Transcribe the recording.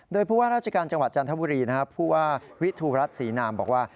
โดยเพราะว่าราชการจังหวัดจันทบุรีผู้วิทธุรัฐศีลนามบอกว่า